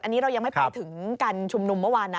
อันนี้เรายังไม่ไปถึงการชุมนุมเมื่อวานนะ